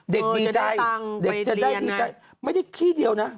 เด็กได้ดีใจไม่ได้คลิ้นเดียวนะ